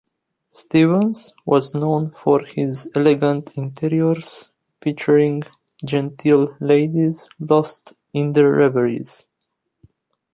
Stevens was known for his "elegant interiors featuring genteel ladies lost in their reveries".